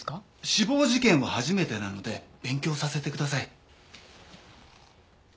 死亡事件は初めてなので勉強させてください。